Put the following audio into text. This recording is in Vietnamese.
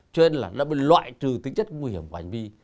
cho nên là nó bị loại trừ tính chất nguy hiểm của hành vi